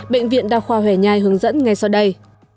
bệnh viện đa khoa hẻ nhai hướng dẫn ngay sau đây